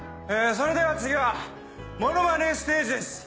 それでは次はモノマネステージです。